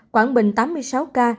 quảng bình tám mươi sáu ca